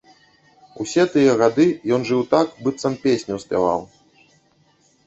Усе тыя гады ён жыў так, быццам песню спяваў.